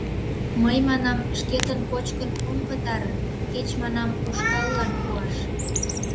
— Мый, манам, шкетын кочкын ом пытаре, кеч, манам, ушкаллан пуаш...